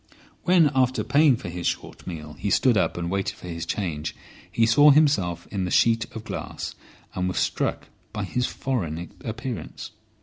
When, after paying for his short meal, he stood up and waited for his change, he saw himself in the sheet of glass, and was struck by his foreign appearance.